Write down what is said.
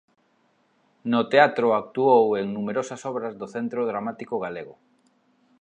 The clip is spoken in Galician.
No teatro actuou en numerosas obras do Centro Dramático Galego.